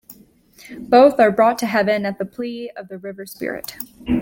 Both are brought to heaven at the plea of the river spirit.